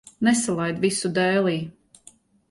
Nesalaid visu dēlī.